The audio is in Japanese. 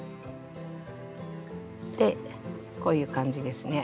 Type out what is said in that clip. でこういう感じですね。